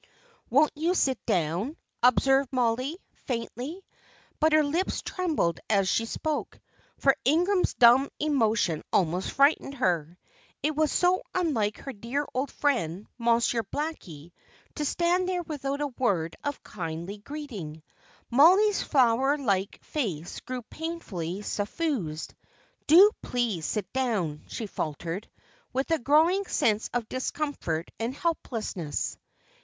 "Won't you sit down?" observed Mollie, faintly; but her lips trembled as she spoke, for Ingram's dumb emotion almost frightened her. It was so unlike her dear old friend, Monsieur Blackie, to stand there without a word of kindly greeting. Mollie's flower like face grew painfully suffused. "Do please sit down," she faltered, with a growing sense of discomfort and helplessness.